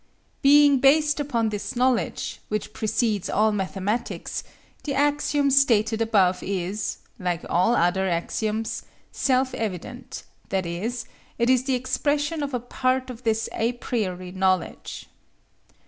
Being based upon this knowledge, which precedes all mathematics, the axiom stated above is, like all other axioms, self evident, that is, it is the expression of a part of this a priori knowledge.